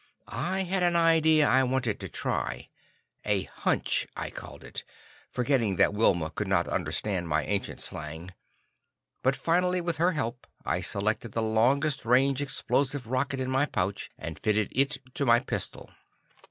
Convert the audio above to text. I had an idea I wanted to try; a "hunch" I called it, forgetting that Wilma could not understand my ancient slang. But finally, with her help, I selected the longest range explosive rocket in my pouch, and fitted it to my pistol.